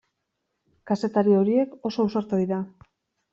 Kazetari horiek oso ausartak dira.